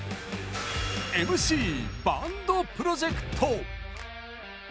ＭＣバンドプロジェクト。